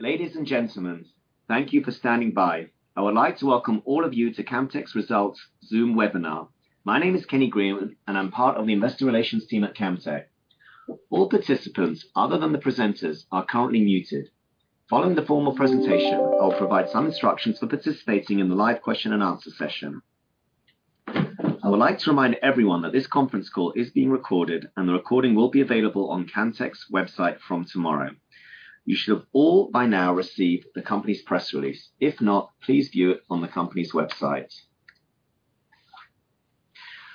Ladies and gentlemen, thank you for standing by. I would like to welcome all of you to Camtek's Results Zoom webinar. My name is Kenny Green, and I'm part of the investor relations team at Camtek. All participants other than the presenters are currently muted. Following the formal presentation I'll provide some instructions for participating in the live question and answer session. I would like to remind everyone that this conference call is being recorded, and the recording will be available on Camtek's website from tomorrow. You should have all by now received the company's press release. If not, please view it on the company's website.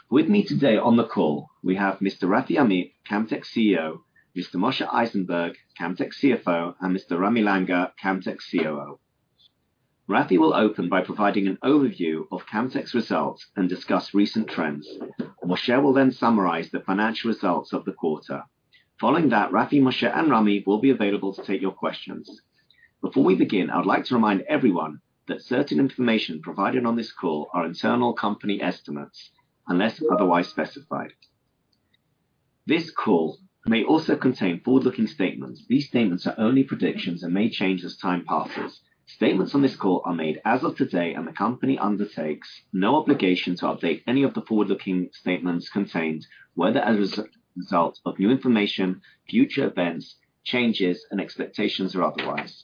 With me today on the call, we have Mr. Rafi Amit, Camtek's CEO, Mr. Moshe Eisenberg, Camtek's CFO, and Mr. Ramy Langer, Camtek's COO. Rafi will open by providing an overview of Camtek's results and discuss recent trends. Moshe will summarize the financial results of the quarter. Following that, Rafi, Moshe, and Ramy will be available to take your questions. Before we begin, I would like to remind everyone that certain information provided on this call are internal company estimates unless otherwise specified. This call may also contain forward-looking statements. These statements are only predictions and may change as time passes. Statements on this call are made as of today, the company undertakes no obligation to update any of the forward-looking statements contained, whether as a result of new information, future events, changes, and expectations or otherwise.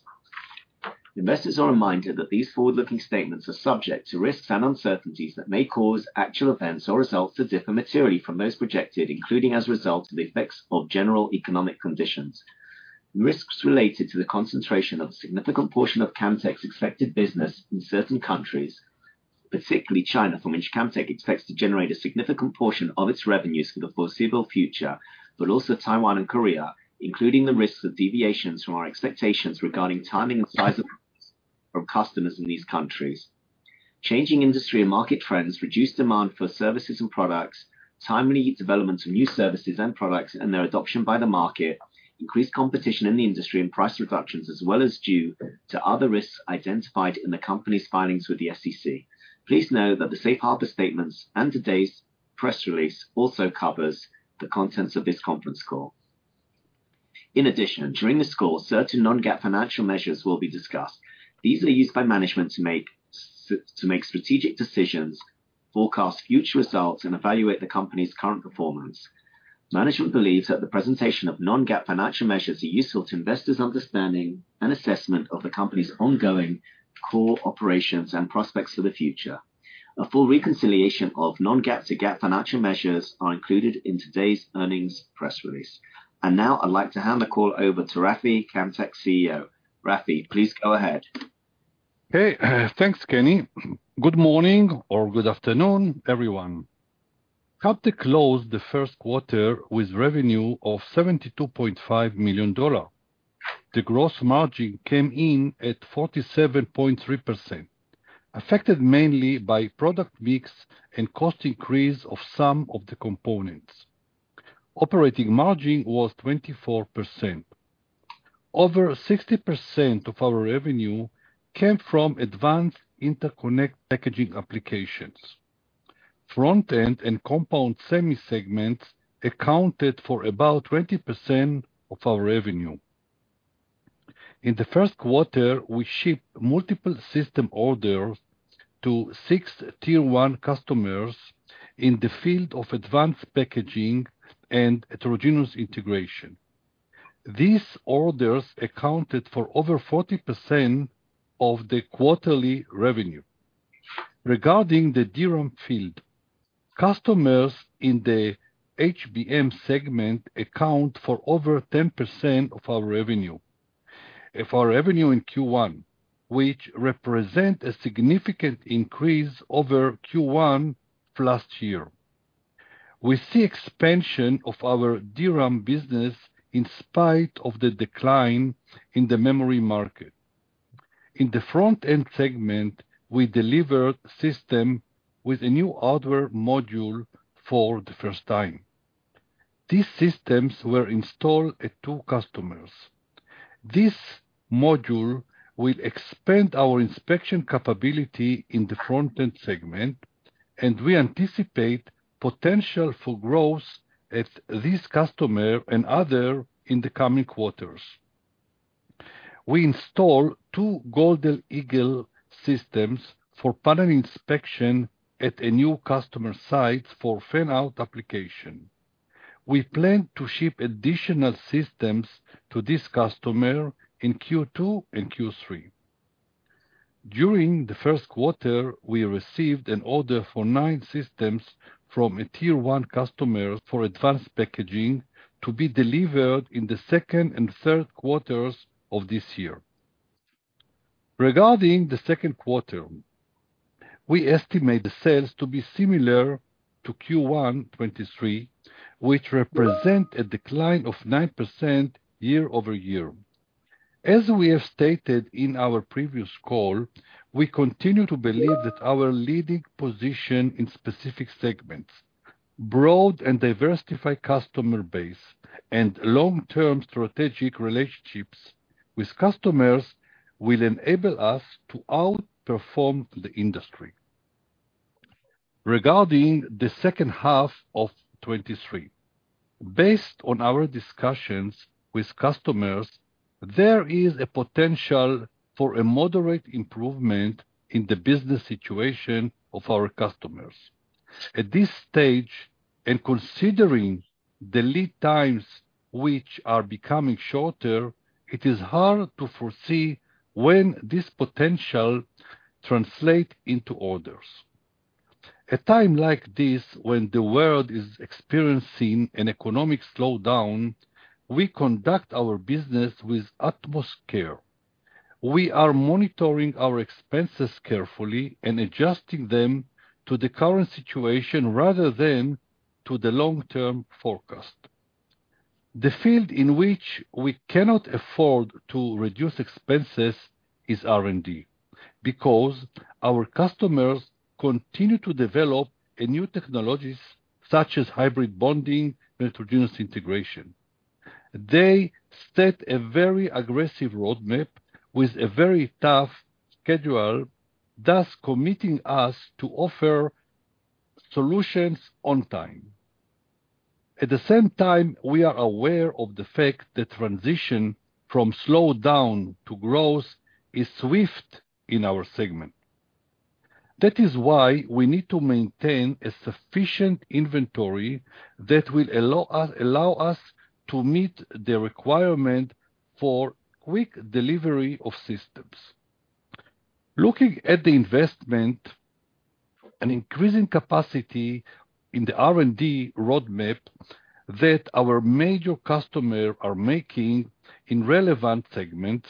Investors are reminded that these forward-looking statements are subject to risks and uncertainties that may cause actual events or results to differ materially from those projected, including as a result of the effects of general economic conditions. Risks related to the concentration of a significant portion of Camtek's expected business in certain countries, particularly China, from which Camtek expects to generate a significant portion of its revenues for the foreseeable future, but also Taiwan and Korea, including the risks of deviations from our expectations regarding timing and size of purchase from customers in these countries. Changing industry and market trends, reduced demand for services and products, timely development of new services and products, and their adoption by the market, increased competition in the industry and price reductions, as well as due to other risks identified in the company's filings with the SEC. Please know that the safe harbor statements and today's press release also covers the contents of this conference call. In addition, during this call, certain non-GAAP financial measures will be discussed. These are used by management to make strategic decisions, forecast future results, and evaluate the company's current performance. Management believes that the presentation of non-GAAP financial measures are useful to investors' understanding and assessment of the company's ongoing core operations and prospects for the future. A full reconciliation of non-GAAP to GAAP financial measures are included in today's earnings press release. Now I'd like to hand the call over to Rafi, Camtek's CEO. Rafi, please go ahead. Hey. Thanks, Kenny. Good morning or good afternoon, everyone. Camtek closed the first quarter with revenue of $72.5 million. The gross margin came in at 47.3%, affected mainly by product mix and cost increase of some of the components. Operating margin was 24%. Over 60% of our revenue came from advanced interconnect packaging applications. Front-end and compound semi segments accounted for about 20% of our revenue. In the first quarter, we shipped multiple system orders to six tier one customers in the field of advanced packaging and heterogeneous integration. These orders accounted for over 40% of the quarterly revenue. Regarding the DRAM field, customers in the HBM segment account for over 10% of our revenue. Of our revenue in Q1, which represent a significant increase over Q1 last year. We see expansion of our DRAM business in spite of the decline in the memory market. In the front-end segment, we delivered system with a new hardware module for the first time. These systems were installed at two customers. This module will expand our inspection capability in the front-end segment, and we anticipate potential for growth at this customer and other in the coming quarters. We installed two Golden Eagle systems for panel inspection at a new customer site for fan-out application. We plan to ship additional systems to this customer in Q2 and Q3. During the first quarter, we received an order for nine systems from a tier one customer for advanced packaging to be delivered in the second and third quarters of this year. Regarding the second quarter, we estimate the sales to be similar to Q1 2023, which represent a decline of 9% year-over-year. As we have stated in our previous call, we continue to believe that our leading position in specific segments, broad and diversified customer base, and long-term strategic relationships with customers will enable us to outperform the industry. Regarding the second half of 2023. Based on our discussions with customers, there is a potential for a moderate improvement in the business situation of our customers. At this stage, and considering the lead times which are becoming shorter, it is hard to foresee when this potential translate into orders. A time like this, when the world is experiencing an economic slowdown, we conduct our business with utmost care. We are monitoring our expenses carefully and adjusting them to the current situation rather than to the long-term forecast. The field in which we cannot afford to reduce expenses is R&D, because our customers continue to develop new technologies such as hybrid bonding, heterogeneous integration. They set a very aggressive roadmap with a very tough schedule, thus committing us to offer solutions on time. At the same time, we are aware of the fact the transition from slowdown to growth is swift in our segment. That is why we need to maintain a sufficient inventory that will allow us to meet the requirement for quick delivery of systems. Looking at the investment and increasing capacity in the R&D roadmap that our major customer are making in relevant segments,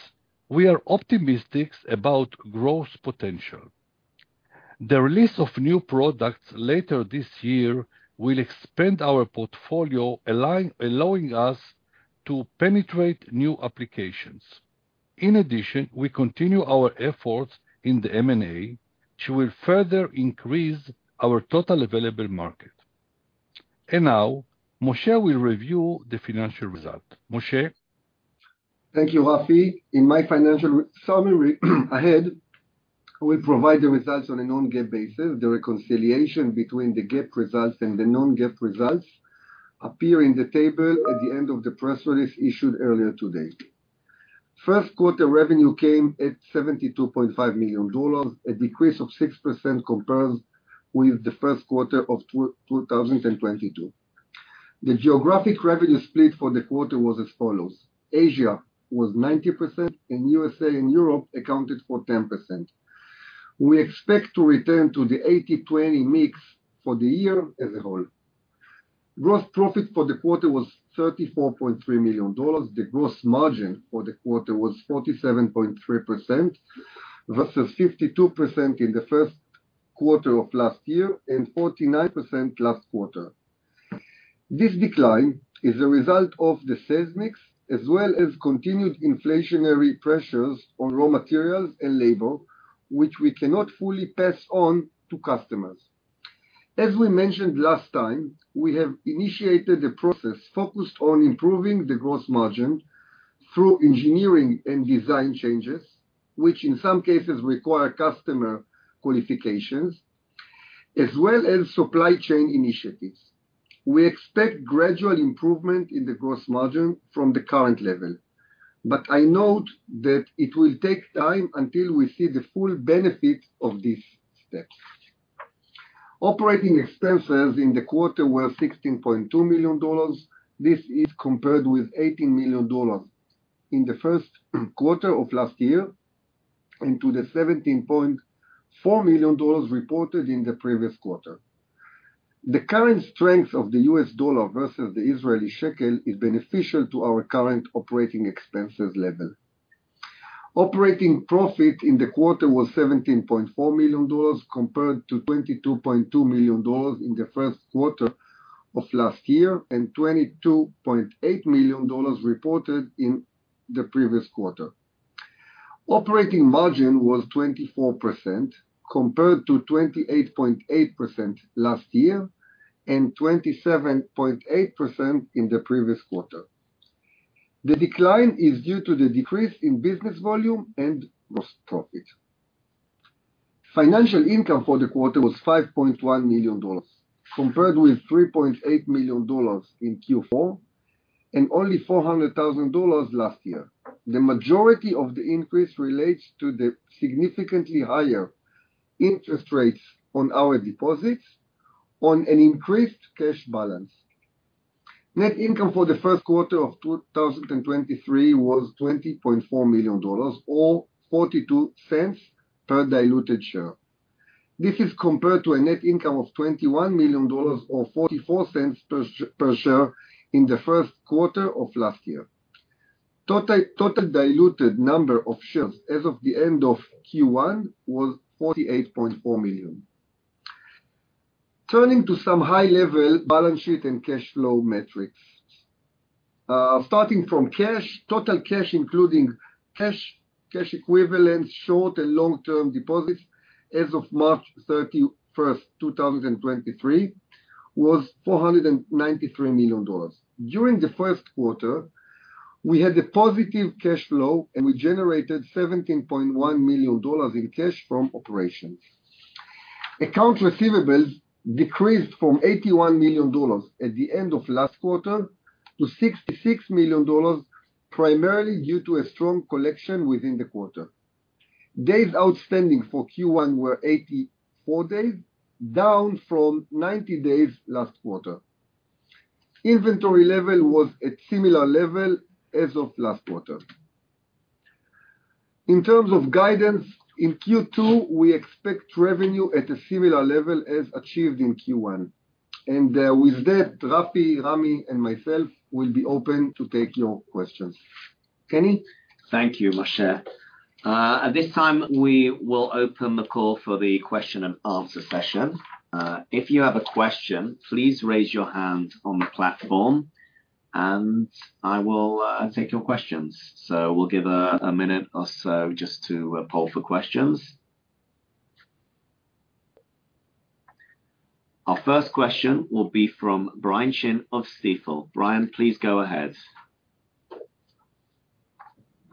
we are optimistic about growth potential. The release of new products later this year will expand our portfolio, allowing us to penetrate new applications. In addition, we continue our efforts in the M&A, which will further increase our total available market. Moshe will review the financial result. Moshe? Thank you, Rafi. In my financial summary ahead, we provide the results on a non-GAAP basis. The reconciliation between the GAAP results and the non-GAAP results appear in the table at the end of the press release issued earlier today. First quarter revenue came at $72.5 million, a decrease of 6% compared with the first quarter of 2022. The geographic revenue split for the quarter was as follows: Asia was 90%, and USA and Europe accounted for 10%. We expect to return to the 80/20 mix for the year as a whole. Gross profit for the quarter was $34.3 million. The gross margin for the quarter was 47.3% versus 52% in the first quarter of last year and 49% last quarter. This decline is a result of the sales mix as well as continued inflationary pressures on raw materials and labor, which we cannot fully pass on to customers. As we mentioned last time, we have initiated a process focused on improving the gross margin through engineering and design changes, which in some cases require customer qualifications, as well as supply chain initiatives. We expect gradual improvement in the gross margin from the current level, but I note that it will take time until we see the full benefit of these steps. Operating expenses in the quarter were $16.2 million. This is compared with $18 million in the first quarter of last year and to the $17.4 million reported in the previous quarter. The current strength of the U.S. dollar versus the Israeli shekel is beneficial to our current operating expenses level. Operating profit in the quarter was $17.4 million, compared to $22.2 million in the first quarter of last year and $22.8 million reported in the previous quarter. Operating margin was 24%, compared to 28.8% last year and 27.8% in the previous quarter. The decline is due to the decrease in business volume and gross profit. Financial income for the quarter was $5.1 million, compared with $3.8 million in Q4 and only $400,000 last year. The majority of the increase relates to the significantly higher interest rates on our deposits on an increased cash balance. Net income for the first quarter of 2023 was $20.4 million or $0.42 per diluted share. This is compared to a net income of $21 million or $0.44 per share in the first quarter of last year. Total diluted number of shares as of the end of Q1 was 48.4 million. Turning to some high-level balance sheet and cash flow metrics. Starting from cash, total cash, including cash equivalents, short and long-term deposits as of March 31st, 2023. Was $493 million. During the first quarter, we had a positive cash flow, and we generated $17.1 million in cash from operations. Accounts receivables decreased from $81 million at the end of last quarter to $66 million, primarily due to a strong collection within the quarter. Days outstanding for Q1 were 84 days, down from 90 days last quarter. Inventory level was at similar level as of last quarter. In terms of guidance, in Q2, we expect revenue at a similar level as achieved in Q1. With that, Rafi, Ramy, and myself will be open to take your questions. Kenny? Thank you, Moshe. At this time, we will open the call for the question-and-answer session. If you have a question, please raise your hand on the platform, and I will take your questions. We'll give a minute or so just to poll for questions. Our first question will be from Brian Chin of Stifel. Brian, please go ahead.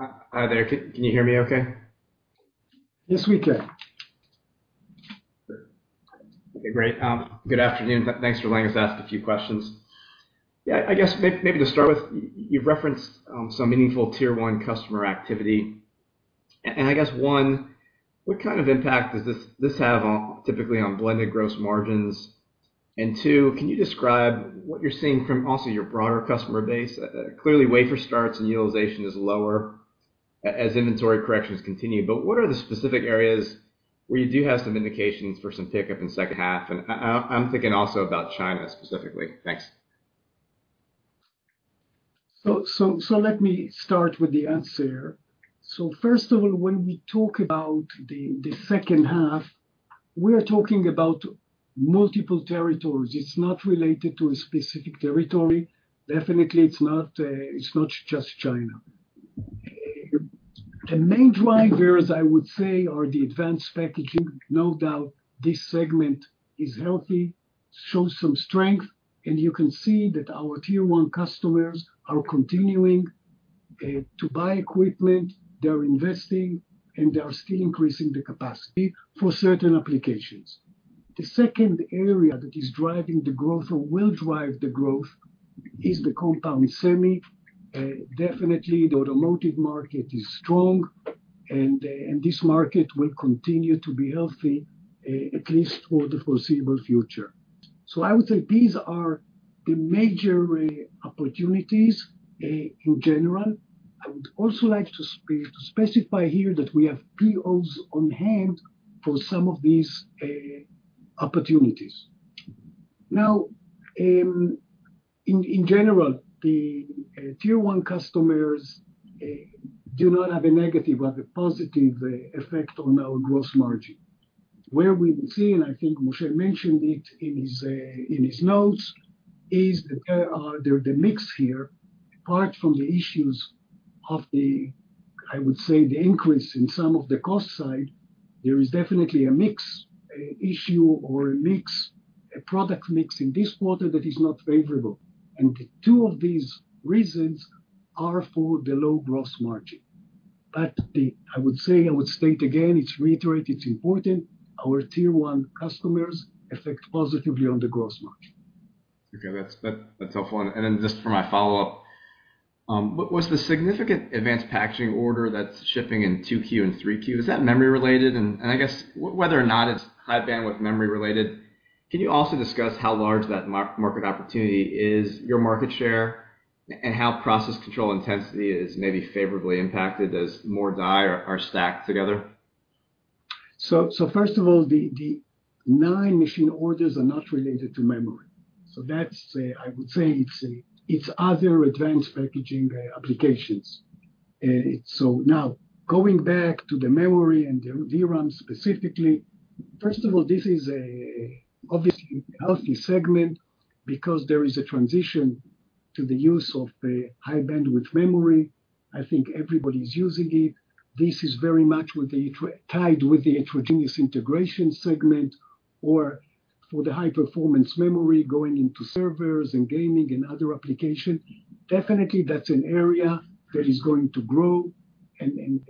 Hi there. Can you hear me okay? Yes, we can. Okay, great. Good afternoon. Thanks for letting us ask a few questions. Yeah, I guess maybe to start with, you've referenced some meaningful Tier One customer activity. I guess, one, what kind of impact does this have on, typically on blended gross margins? Two, can you describe what you're seeing from also your broader customer base? Clearly wafer starts and utilization is lower as inventory corrections continue, but what are the specific areas where you do have some indications for some pickup in the second half? I'm thinking also about China specifically. Thanks. Let me start with the answer. First of all, when we talk about the second half, we're talking about multiple territories. It's not related to a specific territory. Definitely, it's not, it's not just China. The main drivers, I would say, are the advanced packaging. No doubt, this segment is healthy, shows some strength, and you can see that our Tier One customers are continuing to buy equipment, they're investing, and they are still increasing the capacity for certain applications. The second area that is driving the growth or will drive the growth is the compound semi. Definitely the automotive market is strong, and this market will continue to be healthy at least for the foreseeable future. I would say these are the major opportunities in general. I would also like to specify here that we have POs on hand for some of these opportunities. Now, in general, the Tier One customers do not have a negative but a positive effect on our gross margin. Where we will see, and I think Moshe mentioned it in his notes, is that the mix here, apart from the issues of the, I would say, the increase in some of the cost side, there is definitely a mix issue or a product mix in this quarter that is not favorable. The two of these reasons are for the low gross margin. I would say, I would state again, it's reiterated, it's important, our Tier One customers affect positively on the gross margin. Okay. That's, that's helpful. Just for my follow-up, was the significant advanced packaging order that's shipping in 2Q and 3Q, is that memory-related? I guess whether or not it's High Bandwidth Memory-related, can you also discuss how large that market opportunity is, your market share, and how process control intensity is maybe favorably impacted as more die are stacked together? First of all, the nine machine orders are not related to memory. That's, I would say it's other advanced packaging applications. Now going back to the memory and the DRAM specifically, first of all, this is obviously a healthy segment because there is a transition to the use of the High Bandwidth Memory. I think everybody's using it. This is very much tied with the heterogeneous integration segment or for the high-performance memory going into servers and gaming and other application. Definitely, that's an area that is going to grow and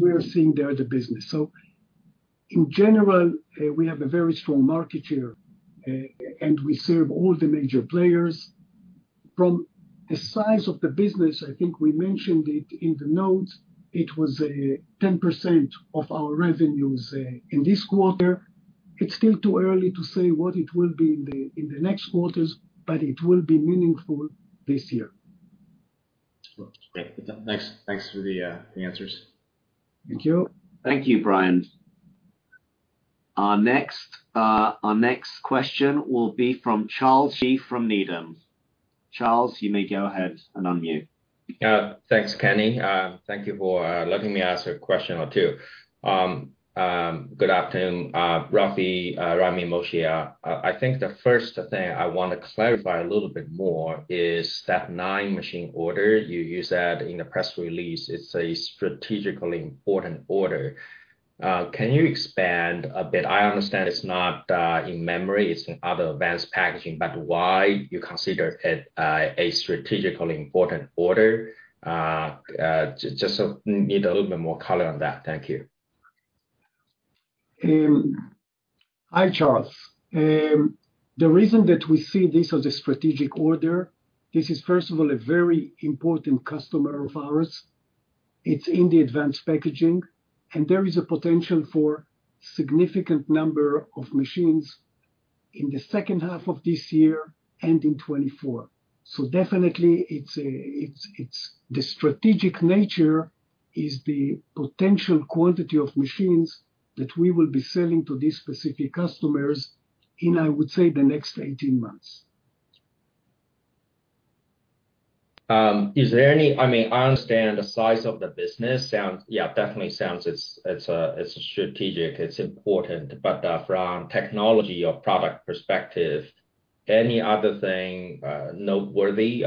we are seeing there the business. In general, we have a very strong market share and we serve all the major players. From the size of the business, I think we mentioned it in the notes, it was, 10% of our revenues, in this quarter. It's still too early to say what it will be in the, in the next quarters, but it will be meaningful this year. Okay. Thanks for the answers. Thank you. Thank you, Brian. Our next question will be from Charles Shi from Needham. Charles, you may go ahead and unmute. Thank you, Brian. Our next question will be from Charles Shi from Needham. Charles, you may go ahead and unmute. Thanks, Kenny. Thank you for letting me ask a question or two. Good afternoon, Rafi, Rami, Moshe. I think the first thing I want to clarify a little bit more is that nine machine order, you use that in the press release, it's a strategically important order. Can you expand a bit? I understand it's not in memory, it's in other advanced packaging, but why you consider it a strategically important order? Just need a little bit more color on that. Thank you. Hi, Charles. The reason that we see this as a strategic order, this is first of all a very important customer of ours. It's in the advanced packaging, there is a potential for significant number of machines in the second half of this year and in 2024. Definitely it's the strategic nature is the potential quantity of machines that we will be selling to these specific customers in, I would say, the next 18 months. Is there any... I mean, I understand the size of the business sounds, yeah, definitely sounds it's a strategic, it's important, but from technology or product perspective, any other thing noteworthy?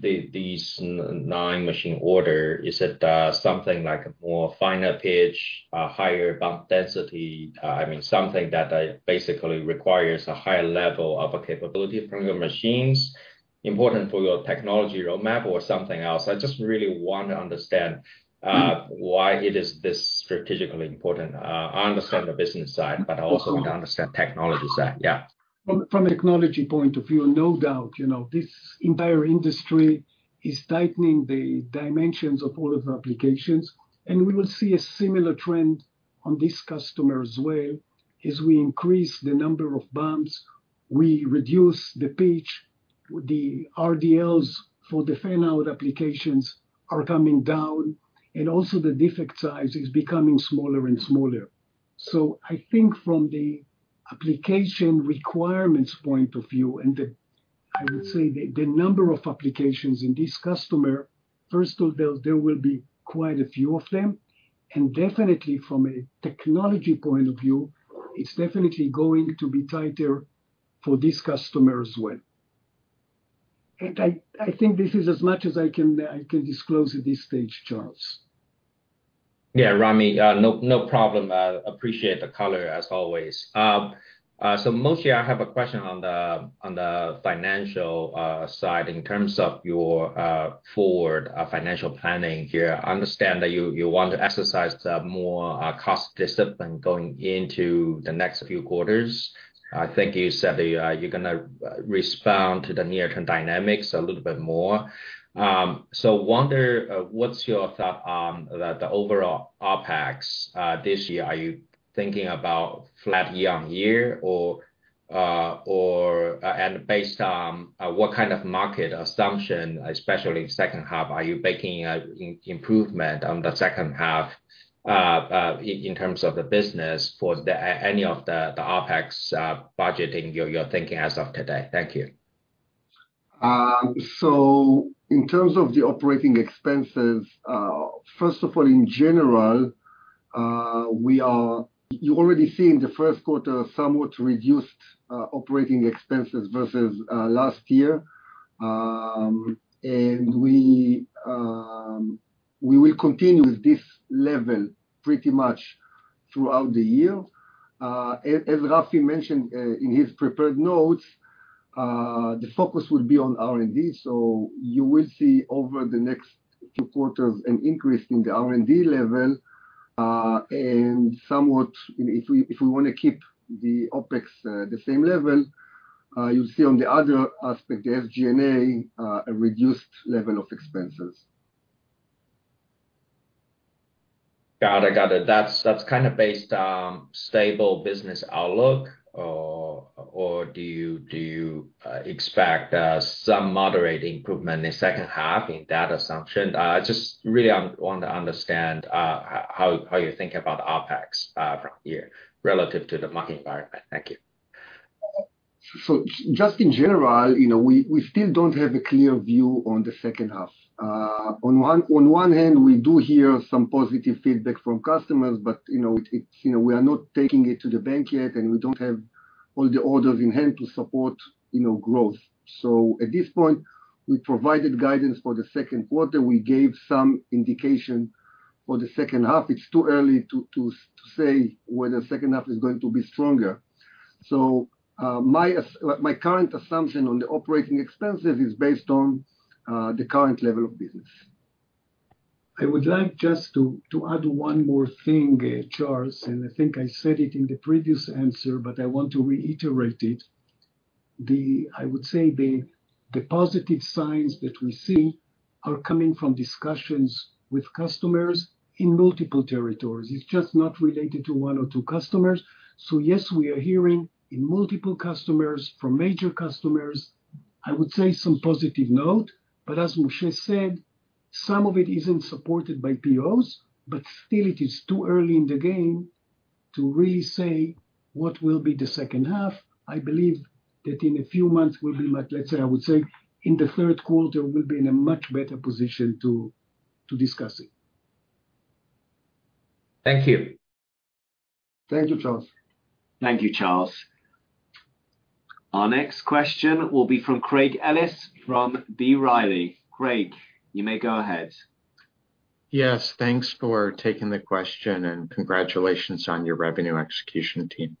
These nine machine order, is it something like a more finer pitch, a higher bump density? I mean something that basically requires a higher level of capability from your machines important for your technology roadmap or something else? I just really want to understand why it is this strategically important. I understand the business side, but I also want to understand technology side. Yeah. From a technology point of view, no doubt, you know, this entire industry is tightening the dimensions of all of the applications, and we will see a similar trend on this customer as well. As we increase the number of bumps, we reduce the pitch, the RDLs for the fan-out applications are coming down, and also the defect size is becoming smaller and smaller. I think from the application requirements point of view and the, I would say the number of applications in this customer, first of all, there will be quite a few of them. Definitely from a technology point of view, it's definitely going to be tighter for this customer as well. I think this is as much as I can disclose at this stage, Charles. Yeah, Ramy, no problem. Appreciate the color as always. Moshe, I have a question on the financial side in terms of your forward financial planning here. I understand that you want to exercise more cost discipline going into the next few quarters. I think you said that you're gonna respond to the near-term dynamics a little bit more. Wonder what's your thought about the overall OpEx this year? Are you thinking about flat year-on-year? And based on what kind of market assumption, especially in second half, are you making improvement on the second half in terms of the business for the any of the OpEx budgeting you're thinking as of today? Thank you. In terms of the operating expenses, first of all, in general, you already see in the first quarter somewhat reduced operating expenses versus last year. We will continue with this level pretty much throughout the year. As Rafi mentioned, in his prepared notes, the focus will be on R&D. You will see over the next two quarters an increase in the R&D level, and somewhat, you know, if we wanna keep the OpEx the same level, you'll see on the other aspect, the SG&A, a reduced level of expenses. Got it. Got it. That's kinda based on stable business outlook or do you expect some moderate improvement in second half in that assumption? I just really want to understand how you think about OpEx from here relative to the market environment. Thank you. Just in general, you know, we still don't have a clear view on the second half. On one hand, we do hear some positive feedback from customers, but you know, it, you know, we are not taking it to the bank yet, and we don't have all the orders in hand to support, you know, growth. At this point, we provided guidance for the second quarter. We gave some indication for the second half. It's too early to say whether second half is going to be stronger. My current assumption on the operating expenses is based on the current level of business. I would like just to add one more thing, Charles. I think I said it in the previous answer, but I want to reiterate it. I would say the positive signs that we see are coming from discussions with customers in multiple territories. It's just not related to one or two customers. Yes, we are hearing in multiple customers, from major customers, I would say some positive note, but as Moshe said, some of it isn't supported by POs. Still it is too early in the game to really say what will be the second half. I believe that in a few months we'll be much. Let's say, I would say in the third quarter we'll be in a much better position to discuss it. Thank you. Thank you, Charles. Thank you, Charles. Our next question will be from Craig Ellis from B. Riley. Craig, you may go ahead. Thanks for taking the question, and congratulations on your revenue execution team.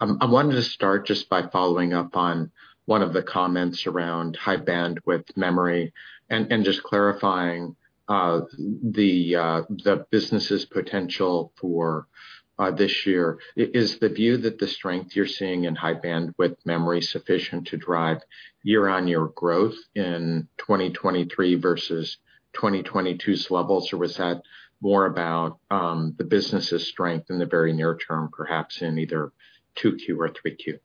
I wanted to start just by following up on one of the comments around High Bandwidth Memory and just clarifying, the business' potential for this year. Is the view that the strength you're seeing in High Bandwidth Memory sufficient to drive year-over-year growth in 2023 versus 2022's levels, or was that more about, the business' strength in the very near term, perhaps in either 2Q or 3Q?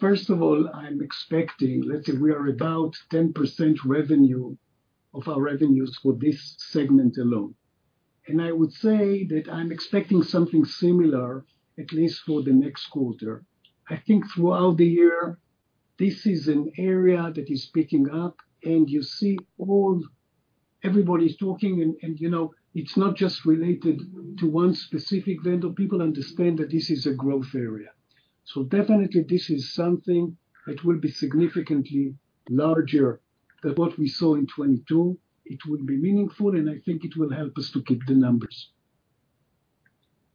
First of all, I'm expecting. Let's say we are about 10% revenue of our revenues for this segment alone. I would say that I'm expecting something similar, at least for the next quarter. I think throughout the year, this is an area that is picking up and you see everybody's talking and, you know, it's not just related to one specific vendor. People understand that this is a growth area. Definitely this is something that will be significantly larger than what we saw in 2022. It will be meaningful, and I think it will help us to keep the numbers.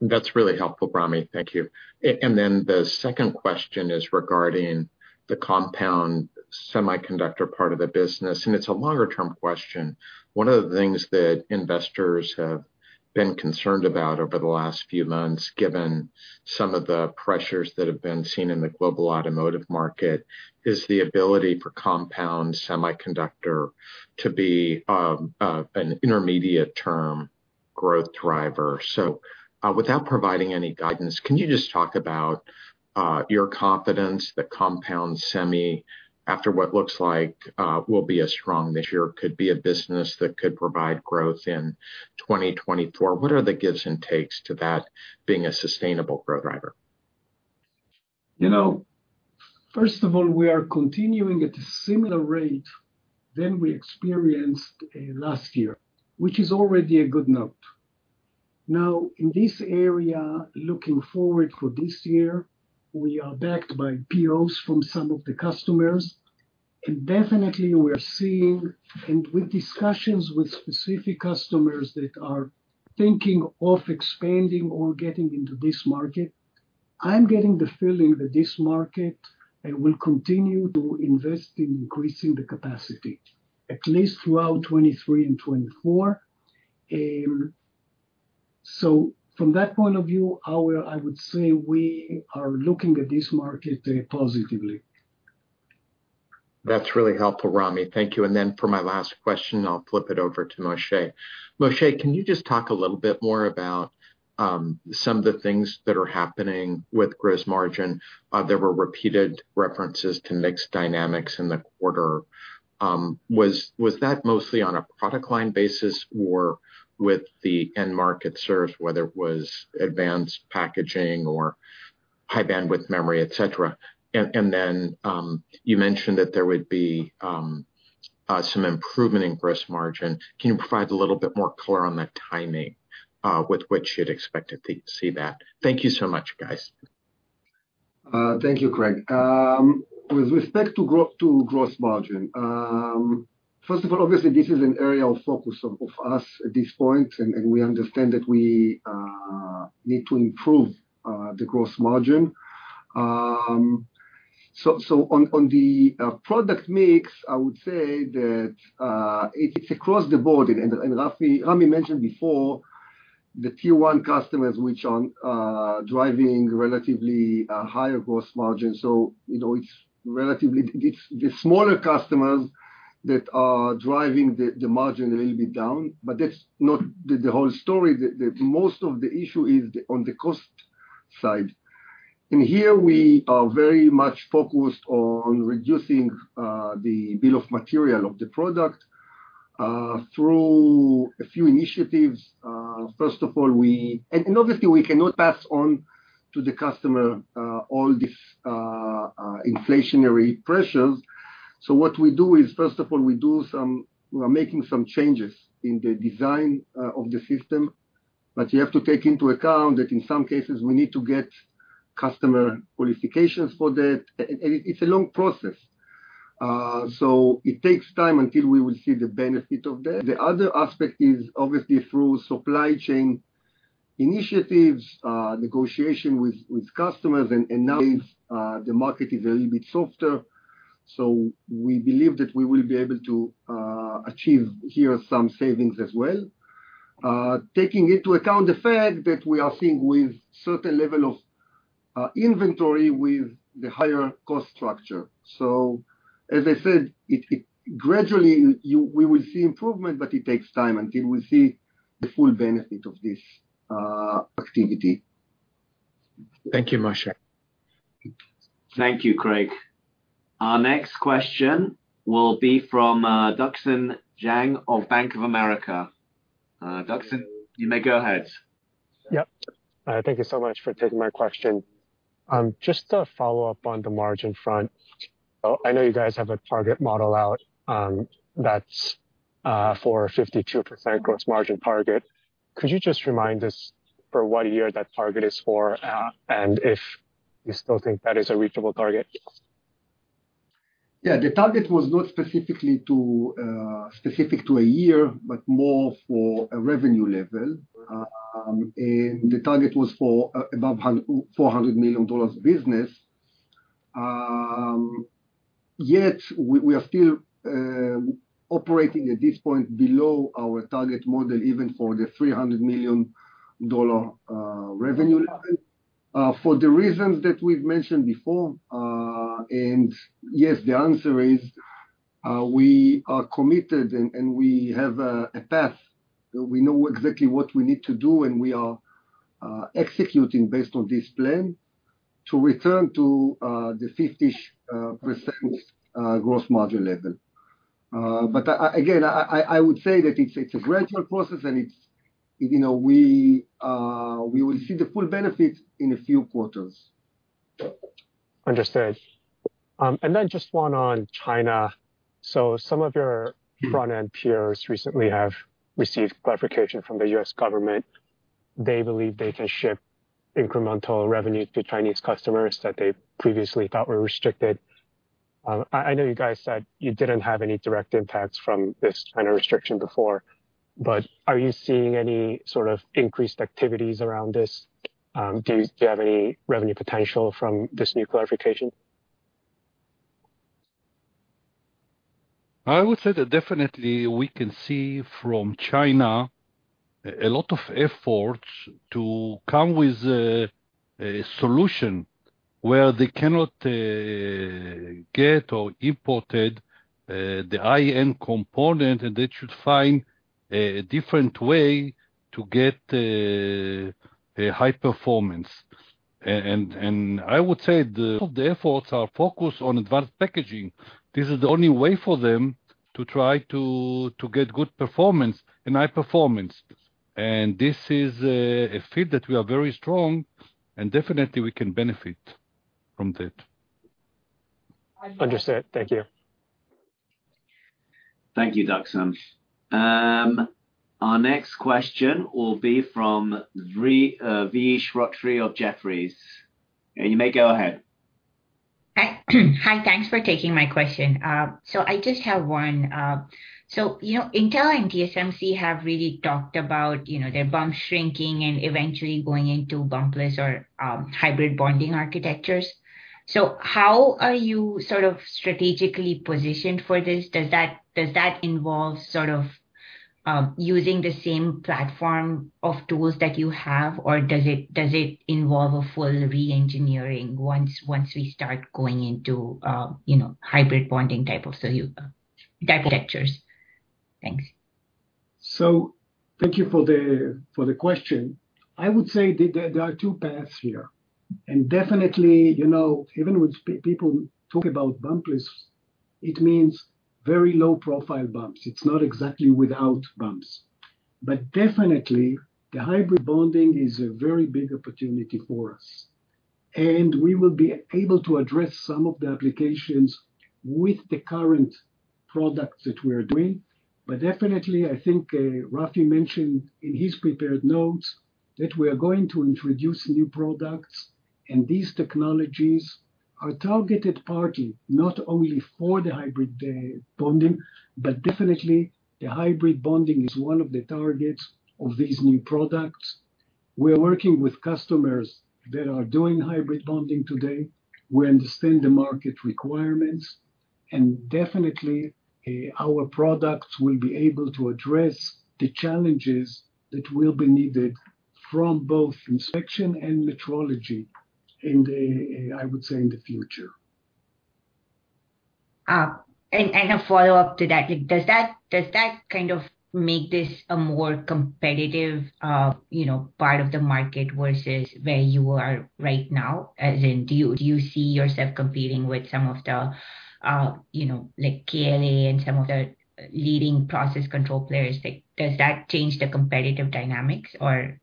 That's really helpful, Ramy. Thank you. The second question is regarding the compound semiconductor part of the business, and it's a longer-term question. One of the things that investors have been concerned about over the last few months, given some of the pressures that have been seen in the global automotive market, is the ability for compound semiconductor to be an intermediate term growth driver. Without providing any guidance, can you just talk about your confidence that compound semi, after what looks like will be a strong this year, could be a business that could provide growth in 2024? What are the gives and takes to that being a sustainable growth driver? You know, first of all, we are continuing at a similar rate than we experienced last year, which is already a good note. Now, in this area, looking forward for this year, we are backed by POs from some of the customers, and definitely we're seeing, and with discussions with specific customers that are thinking of expanding or getting into this market, I'm getting the feeling that this market, it will continue to invest in increasing the capacity, at least throughout 2023 and 2024. From that point of view, I would say we are looking at this market positively. That's really helpful, Ramy. Thank you. Then for my last question, I'll flip it over to Moshe. Moshe, can you just talk a little bit more about some of the things that are happening with gross margin? There were repeated references to mixed dynamics in the quarter. Was that mostly on a product line basis or with the end market served, whether it was advanced packaging or High Bandwidth Memory, et cetera? Then you mentioned that there would be some improvement in gross margin. Can you provide a little bit more color on the timing with which you'd expect to see that? Thank you so much, guys. Thank you, Craig. With respect to gross margin, first of all, obviously this is an area of focus of us at this point, and we understand that we need to improve the gross margin. On the product mix, I would say that it's across the board. Rami mentioned before the tier one customers which are driving relatively higher gross margin. You know, it's relatively... It's the smaller customers that are driving the margin a little bit down. That's not the whole story. Most of the issue is on the cost side. Here we are very much focused on reducing the bill of materials of the product through a few initiatives. First of all, we... Obviously we cannot pass on to the customer, all these inflationary pressures. What we do is, first of all, we are making some changes in the design of the system. You have to take into account that in some cases we need to get customer qualifications for that. It's a long process. It takes time until we will see the benefit of that. The other aspect is obviously through supply chain initiatives, negotiation with customers and now is the market is a little bit softer. We believe that we will be able to achieve here some savings as well. Taking into account the fact that we are seeing with certain level of inventory with the higher cost structure. As I said, it... gradually we will see improvement, but it takes time until we see the full benefit of this activity. Thank you, Moshe. Thank you, Craig. Our next question will be from Duxin Zhang of Bank of America. Duxin, you may go ahead. Yep. Thank you so much for taking my question. Just to follow up on the margin front. I know you guys have a target model out for a 52% gross margin target. Could you just remind us for what year that target is for, and if you still think that is a reachable target? Yeah. The target was not specifically to specific to a year, but more for a revenue level. The target was for above $400 million business. Yet we are still operating at this point below our target model even for the $300 million revenue level for the reasons that we've mentioned before. Yes, the answer is we are committed and we have a path. We know exactly what we need to do, and we are executing based on this plan to return to the 50% gross margin level. Again, I would say that it's a gradual process and it's, you know, we will see the full benefits in a few quarters. Understood. Just one on China. Mm-hmm. front end peers recently have received clarification from the U.S. government. They believe they can ship incremental revenue to Chinese customers that they previously thought were restricted. I know you guys said you didn't have any direct impacts from this kind of restriction before, but are you seeing any sort of increased activities around this? Do you, do you have any revenue potential from this new clarification? I would say that definitely we can see from China a lot of efforts to come with a solution where they cannot get or imported the high-end component. They should find a different way to get a high performance. I would say the efforts are focused on advanced packaging. This is the only way for them to try to get good performance and high performance. This is a field that we are very strong and definitely we can benefit from that. Understood. Thank you. Thank you, Dickson. Our next question will be from Vedvati Shrotre of Jefferies. You may go ahead. Hi. Thanks for taking my question. I just have one. You know, Intel and TSMC have really talked about, you know, their bump shrinking and eventually going into bumpless or hybrid bonding architectures. How are you sort of strategically positioned for this? Does that involve sort of using the same platform of tools that you have, or does it involve a full re-engineering once we start going into, you know, hybrid bonding type of architectures? Thanks. Thank you for the question. I would say there are two paths here. definitely, you know, even when people talk about bumpless, it means very low-profile bumps. It's not exactly without bumps. definitely the hybrid bonding is a very big opportunity for us, and we will be able to address some of the applications with the current products that we are doing. definitely, I think, Rafi mentioned in his prepared notes that we are going to introduce new products, and these technologies are targeted partly not only for the hybrid bonding, but definitely the hybrid bonding is one of the targets of these new products. We are working with customers that are doing hybrid bonding today. We understand the market requirements. Definitely, our products will be able to address the challenges that will be needed from both inspection and metrology in the, I would say, in the future. A follow-up to that. Like, does that kind of make this a more competitive, you know, part of the market versus where you are right now? As in, do you see yourself competing with some of the, you know, like KLA and some of the leading process control players? Like, does that change the competitive dynamics or?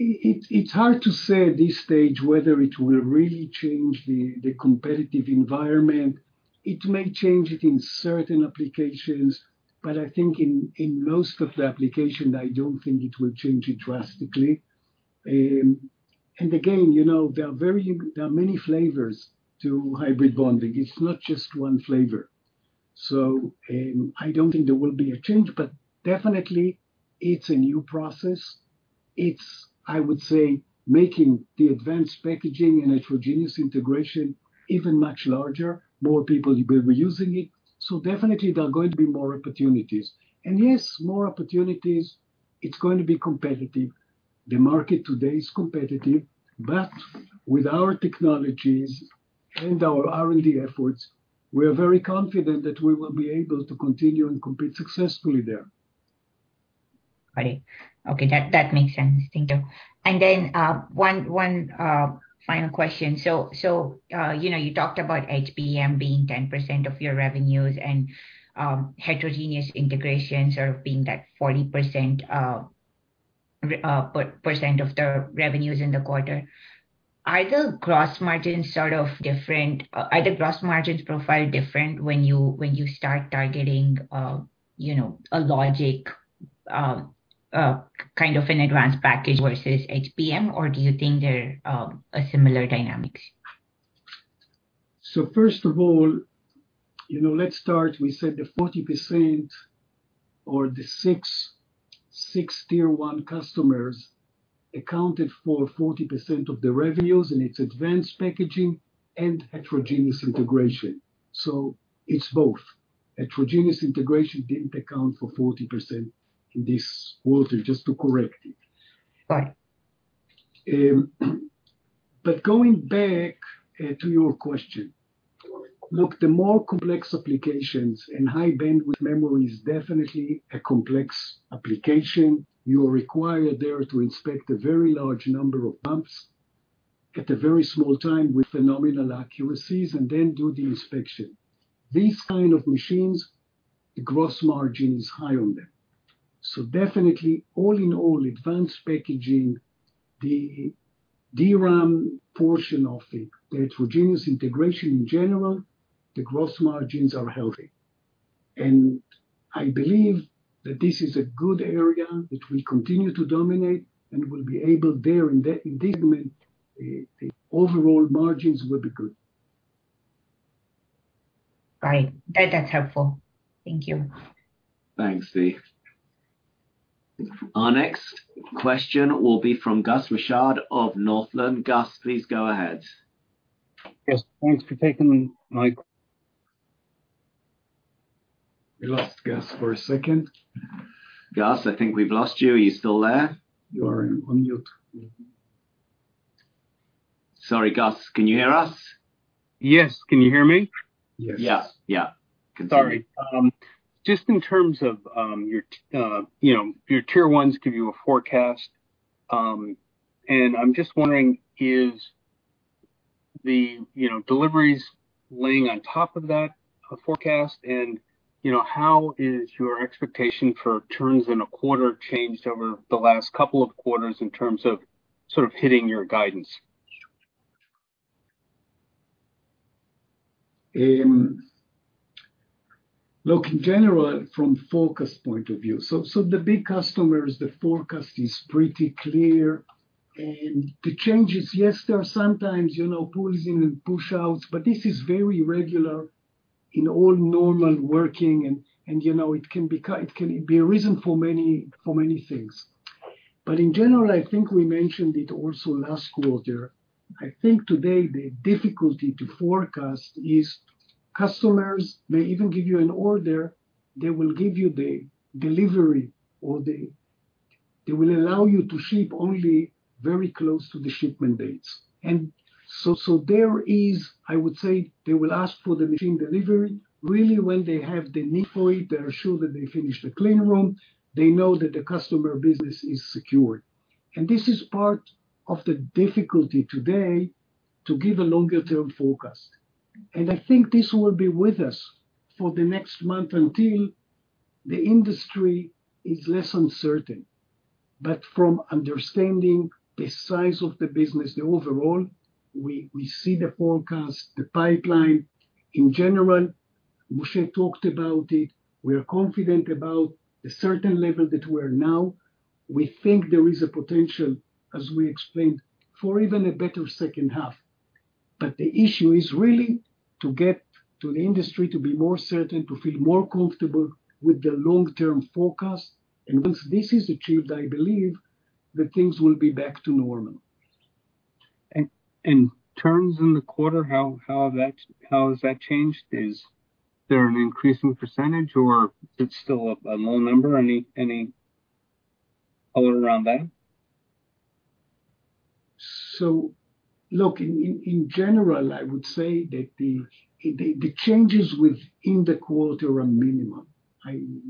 It's hard to say at this stage whether it will really change the competitive environment. It may change it in certain applications, but I think in most of the application, I don't think it will change it drastically. Again, you know, there are many flavors to hybrid bonding. It's not just one flavor. I don't think there will be a change, but definitely it's a new process. It's, I would say, making the advanced packaging and heterogeneous integration even much larger. More people will be using it. Definitely there are going to be more opportunities. Yes, more opportunities, it's going to be competitive. The market today is competitive, but with our technologies and our R&D efforts, we are very confident that we will be able to continue and compete successfully there. Got it. Okay. That, that makes sense. Thank you. One final question. You know, you talked about HBM being 10% of your revenues and heterogeneous integration sort of being that 40% contribution, but percent of the revenues in the quarter. Are the gross margins profile different when you, when you start targeting, you know, a logic kind of an advanced package versus HBM, or do you think they're a similar dynamics? First of all, you know, let's start, we said the 40% or the 6 tier one customers accounted for 40% of the revenues in its advanced packaging and heterogeneous integration. It's both. Heterogeneous integration didn't account for 40% in this quarter, just to correct it. Right. Going back to your question. Look, the more complex applications, and High Bandwidth Memory is definitely a complex application. You require there to inspect a very large number of bumps at a very small time with phenomenal accuracies and then do the inspection. These kind of machines, the gross margin is high on them. Definitely all in all, advanced packaging, the DRAM portion of the heterogeneous integration in general, the gross margins are healthy. I believe that this is a good area that we continue to dominate and will be able there in that segment, the overall margins will be good. Right. That, that's helpful. Thank you. Thanks, Steve. Our next question will be from Gus Richard of Northland. Gus, please go ahead. Yes. Thanks for taking my... We lost Gus for a second. Gus, I think we've lost you. Are you still there? You are on mute. Sorry, Gus. Can you hear us? Yes. Can you hear me? Yes. Yeah. Sorry. Just in terms of, you know, your tier ones give you a forecast, and I'm just wondering, is the, you know, deliveries laying on top of that forecast? You know, how is your expectation for turns in a quarter changed over the last couple of quarters in terms of sort of hitting your guidance? Look, in general from forecast point of view. The big customers, the forecast is pretty clear. The changes, yes, there are sometimes, you know, pulls in and push outs, but this is very regular in all normal working and you know, it can be a reason for many things. In general, I think we mentioned it also last quarter. I think today the difficulty to forecast is customers may even give you an order, they will give you the delivery or they will allow you to ship only very close to the shipment dates. There is, I would say, they will ask for the machine delivery really when they have the need for it, they're sure that they finish the clean room, they know that the customer business is secure. This is part of the difficulty today to give a longer term forecast. I think this will be with us for the next month until the industry is less uncertain. From understanding the size of the business, the overall, we see the forecast, the pipeline. In general, Moshe talked about it. We are confident about the certain level that we are now. We think there is a potential, as we explained, for even a better second half. The issue is really to get to the industry to be more certain, to feel more comfortable with the long-term forecast. Once this is achieved, I believe that things will be back to normal. Turns in the quarter, how has that changed? Is there an increase in percentage or it's still a low number? Any color around that? Look, in general, I would say that the changes within the quarter are minimum.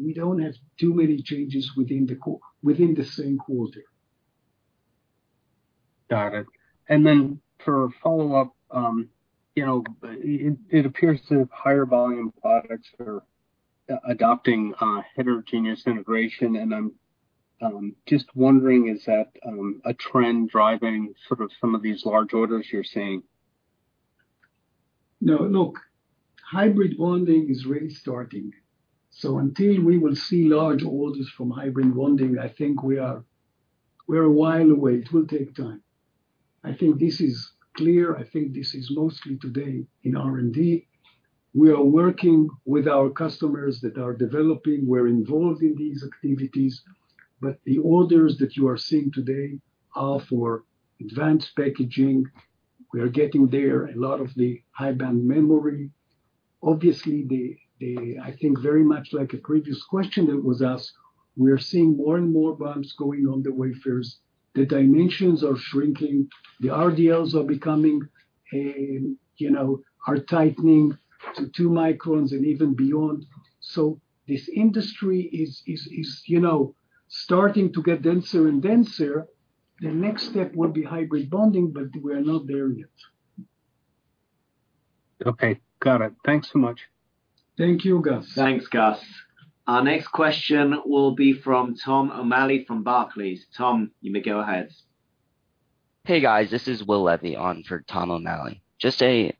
We don't have too many changes within the same quarter. Got it. For follow-up, you know, it appears that higher volume products are adopting heterogeneous integration, and I'm just wondering, is that a trend driving sort of some of these large orders you're seeing? No. Look, hybrid bonding is really starting. Until we will see large orders from hybrid bonding, I think we're a while away. It will take time. I think this is clear. I think this is mostly today in R&D. We are working with our customers that are developing, we're involved in these activities. The orders that you are seeing today are for advanced packaging. We are getting there, a lot of the High Band Memory. Obviously, I think very much like a previous question that was asked, we are seeing more and more bumps going on the wafers. The dimensions are shrinking. The RDLs are becoming, you know, are tightening to two microns and even beyond. This industry is, you know, starting to get denser and denser. The next step will be hybrid bonding, but we are not there yet. Okay, got it. Thanks so much. Thank you, Gus. Thanks, Gus. Our next question will be from Tom O'Malley from Barclays. Tom, you may go ahead. Hey guys, this is Will Levy on for Tom O'Malley. Just a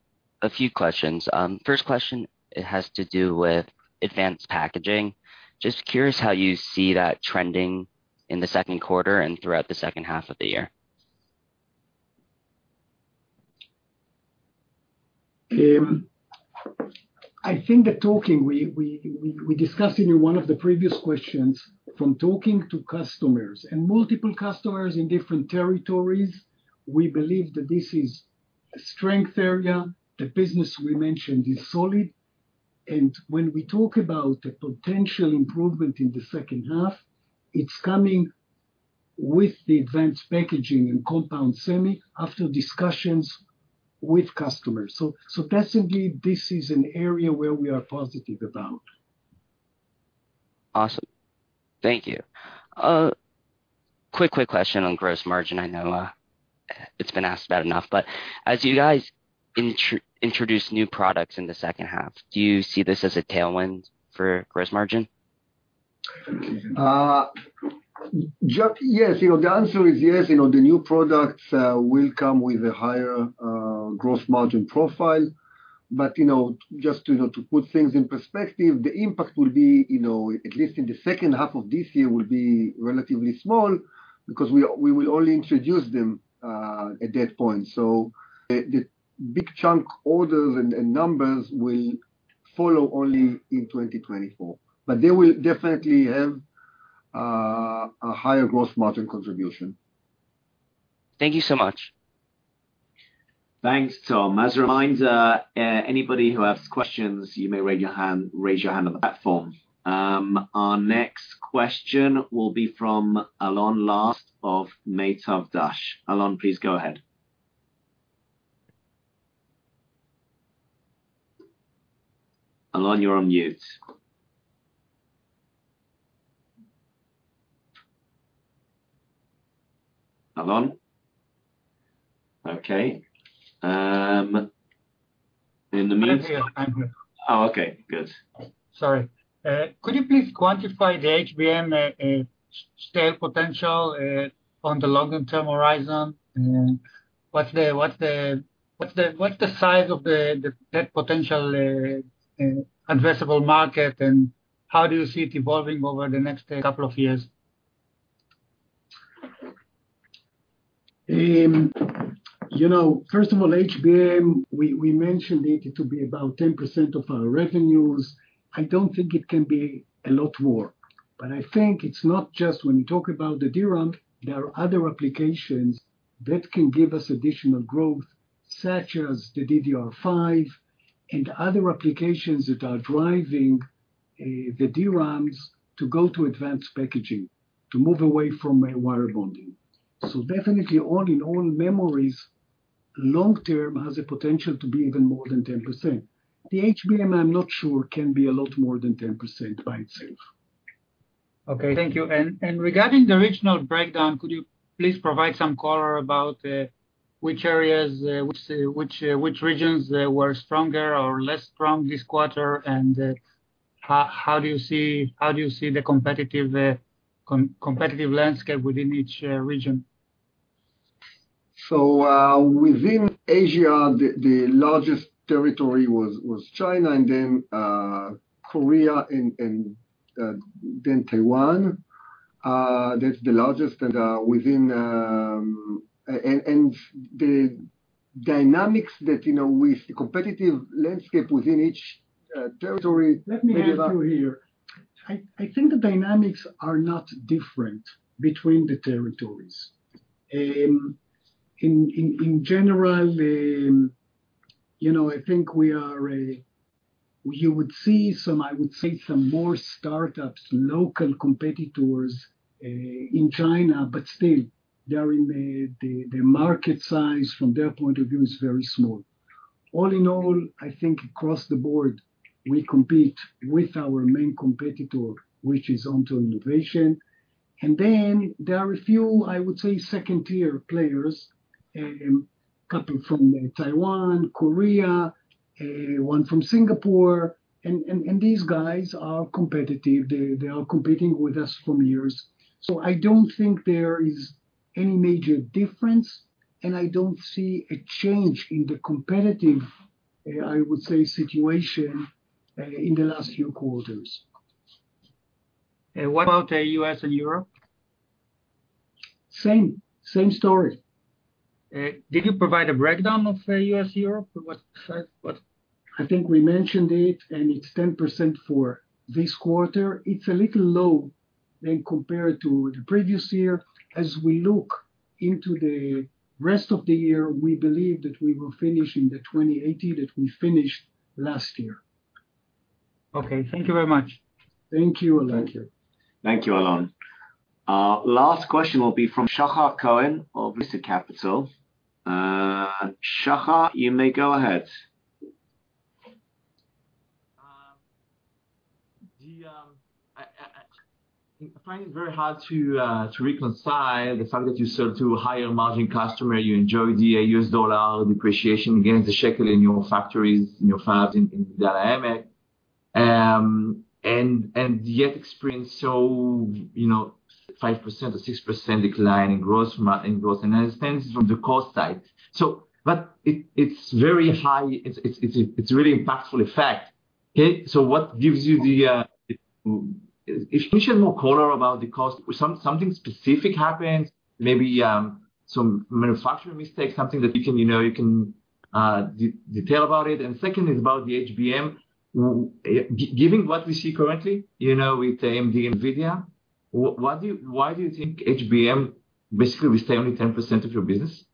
few questions. First question, it has to do with advanced packaging. Just curious how you see that trending in the second quarter and throughout the second half of the year. I think that talking we discussed in one of the previous questions, from talking to customers and multiple customers in different territories, we believe that this is a strength area. The business we mentioned is solid. When we talk about a potential improvement in the second half, it's coming with the advanced packaging and compound semi after discussions with customers. Definitely this is an area where we are positive about. Awesome. Thank you. Quick question on gross margin. I know it's been asked about enough, but as you guys introduce new products in the second half, do you see this as a tailwind for gross margin? Yes. You know, the answer is yes. You know, the new products will come with a higher gross margin profile. You know, just, you know, to put things in perspective, the impact will be, you know, at least in the second half of this year will be relatively small because we will only introduce them at that point. The big chunk orders and numbers will follow only in 2024. They will definitely have a higher gross margin contribution. Thank you so much. Thanks, Tom. As a reminder, anybody who has questions, you may raise your hand on the platform. Our next question will be from Alon Last of Meitav Dash. Alon, please go ahead. Alon, you're on mute. Alon? Okay. In the meantime- I can hear you. Oh, okay. Good. Sorry. Could you please quantify the HBM scale potential on the longer term horizon? What's the size of that potential addressable market, and how do you see it evolving over the next couple of years? you know, first of all, HBM, we mentioned it to be about 10% of our revenues. I don't think it can be a lot more. I think it's not just when you talk about the DRAM, there are other applications that can give us additional growth, such as the DDR5 and other applications that are driving the DRAMs to go to advanced packaging, to move away from wire bonding. Definitely all, in all memories, long term has a potential to be even more than 10%. The HBM, I'm not sure can be a lot more than 10% by itself. Okay, thank you. Regarding the regional breakdown, could you please provide some color about which areas, which regions were stronger or less strong this quarter? How do you see the competitive landscape within each region? Within Asia, the largest territory was China and then Korea and then Taiwan. That is the largest. And within the dynamics, you know, with the competitive landscape within each territory, let me add you here. I think the dynamics are not different between the territories. In general, you know, I think we are, you would see some, I would say some more startups, local competitors in China, but still they are in the market size from their point of view is very small. All in all, I think across the board we compete with our main competitor, which is Onto Innovation. And then there are a few, I would say second tier players, a couple from Taiwan, Korea, one from Singapore. And these guys are competitive. They are competing with us from years. I don't think there is any major difference, I don't see a change in the competitive, I would say, situation, in the last few quarters. What about, U.S. and Europe? Same. Same story. Did you provide a breakdown of U.S./Europe? I think we mentioned it. It's 10% for this quarter. It's a little low when compared to the previous year. As we look into the rest of the year, we believe that we will finish in the 2018 that we finished last year. Okay. Thank you very much. Thank you, Alon. Thank you. Thank you, Alon. Last question will be from Shahar Cohen of Lucid Capital. Shaha, you may go ahead. I find it very hard to reconcile the fact that you sell to a higher margin customer, you enjoy the US dollar depreciation against the shekel in your factories, in your fabs in the DM&E. Yet experience so, you know, 5% or 6% decline in gross. I understand this is from the cost side. But it's very high. It's a really impactful effect. Okay? What gives you the... If you share more color about the cost, something specific happened, maybe, some manufacturing mistakes, something that you can, you know, you can detail about it. Second is about the HBM. Giving what we see currently, you know, with AMD and Nvidia, why do you think HBM basically will stay only 10% of your business?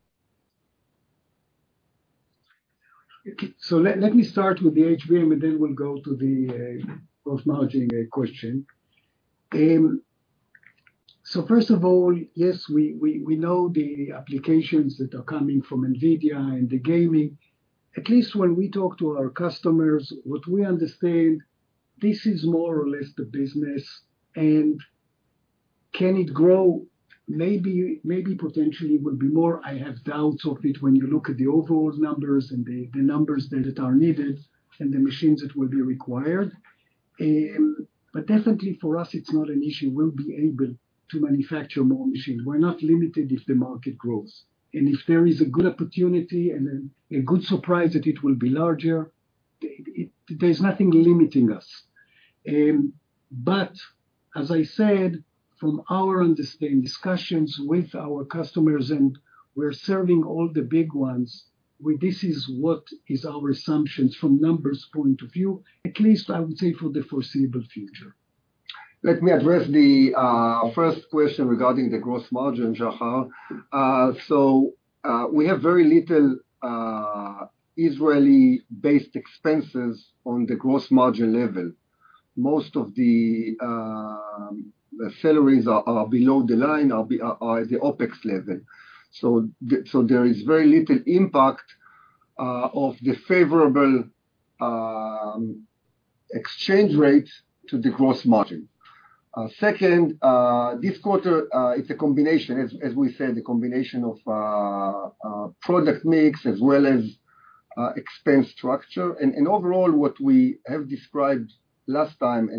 Let me start with the HBM, and then we'll go to the gross margin question. First of all, yes, we know the applications that are coming from Nvidia and the gaming. At least when we talk to our customers, what we understand, this is more or less the business and can it grow? Maybe potentially it would be more. I have doubts of it when you look at the overall numbers and the numbers that are needed and the machines that will be required. Definitely for us, it's not an issue. We'll be able to manufacture more machines. We're not limited if the market grows. If there is a good opportunity and a good surprise that it will be larger, there's nothing limiting us. As I said, from our understanding, discussions with our customers and we're serving all the big ones, with this is what is our assumptions from numbers point of view, at least I would say for the foreseeable future. Let me address the first question regarding the gross margin, Shahar. We have very little Israeli-based expenses on the gross margin level. Most of the salaries are below the line, are at the OpEx level. There is very little impact of the favorable exchange rate to the gross margin. Second, this quarter, it's a combination. As we said, the combination of product mix as well as expense structure. Overall, what we have described last time, I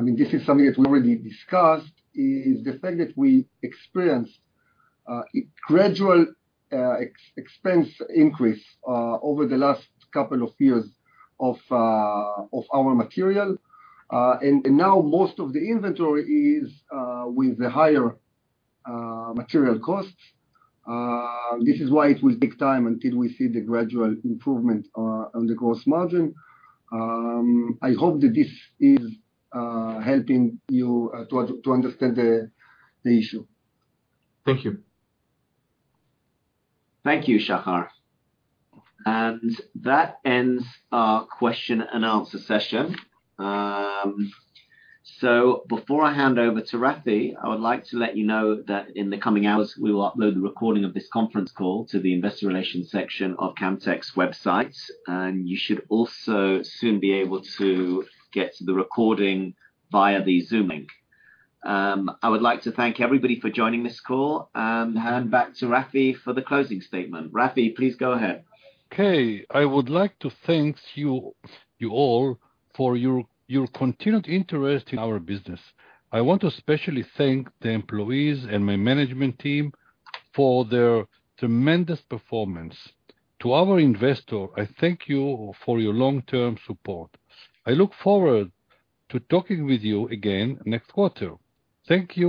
mean, this is something that we already discussed, is the fact that we experienced a gradual expense increase over the last couple of years of our material. Now most of the inventory is with the higher material costs. This is why it will take time until we see the gradual improvement on the gross margin. I hope that this is helping you to understand the issue. Thank you. Thank you, Shahar. That ends our question and answer session. Before I hand over to Rafi, I would like to let you know that in the coming hours, we will upload the recording of this conference call to the investor relations section of Camtek's website, and you should also soon be able to get the recording via the Zoom link. I would like to thank everybody for joining this call and hand back to Rafi for the closing statement. Rafi, please go ahead. Okay. I would like to thank you all for your continued interest in our business. I want to especially thank the employees and my management team for their tremendous performance. To our investor, I thank you for your long-term support. I look forward to talking with you again next quarter. Thank you